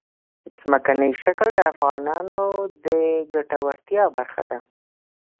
ځمکنی شکل د افغانانو د ګټورتیا برخه ده.